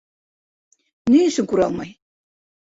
Ни өсөн күрә алмай?